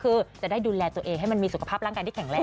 คือจะได้ดูแลตัวเองให้มันมีสุขภาพร่างกายที่แข็งแรง